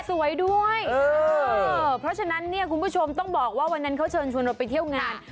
สวยด้วยเออเพราะฉะนั้นเนี่ยคุณผู้ชมต้องบอกว่าวันนั้นเขาเชิญชวนเราไปเที่ยวงาน